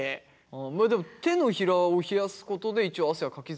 まあでも手のひらを冷やすことで一応汗はかきづらくなるってこと。